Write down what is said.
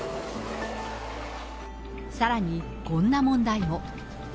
さらにこんな問題も。